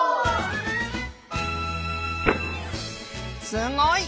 すごい！